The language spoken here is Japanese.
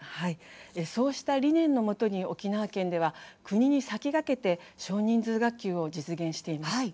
そうした理念のもとに向けて国に先駆けて少人数学級を実現しています。